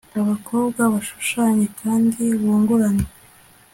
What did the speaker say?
abakobwa bashushanye kandi bungurane